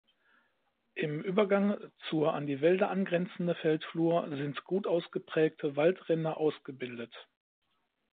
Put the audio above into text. Im Übergang zur an die Wälder angrenzende Feldflur sind gut ausgeprägte Waldränder ausgebildet.